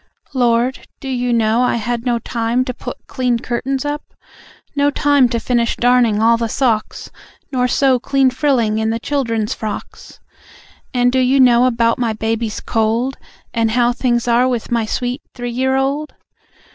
Lord, do You know I had no time to put clean curtains up; No time to finish darning all the socks; Nor sew clean frilling in the children's frocks? And do You know about my Baby's cold? And how things are with my sweet three year old?